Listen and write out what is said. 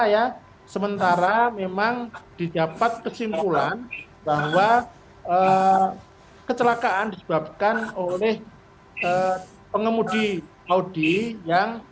ya sementara memang didapat kesimpulan bahwa kecelakaan disebabkan oleh pengemudi audi yang